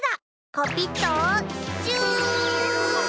コピッとチュー！